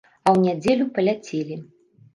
А ў нядзелю паляцелі.